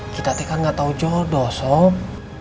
kita teh kan gak tau jodoh som